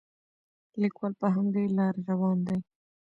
لیکوال په همدې لاره روان دی.